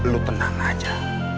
lu tenang aja